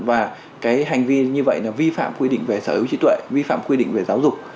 và cái hành vi như vậy là vi phạm quy định về sở hữu trí tuệ vi phạm quy định về giáo dục